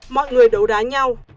mọi người đấu đá nhau